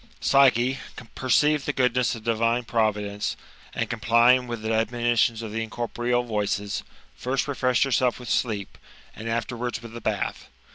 Psyche perceived the goodness of divine providence, and complying with the admonitions of the incorporeal voices, first refreshed herself with sleep, and afterwards with the bath.